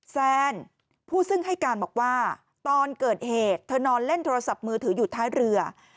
แซนผู้ซึ่งให้การบอกว่าตอนเกิดเหตุเธอนอนเล่นโทรศัพท์มือถืออยู่ท้ายเรือ